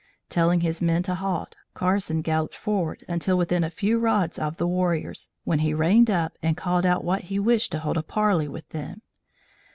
Telling his men to halt, Carson galloped forward until within a few rods of the warriors, when he reined up and called out that he wished to hold a parley with them.